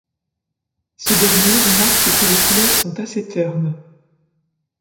Ce dernier remarque que les couleurs sont assez ternes.